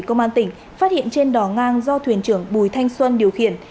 công an tỉnh phát hiện trên đò ngang do thuyền trưởng bùi thanh xuân điều khiển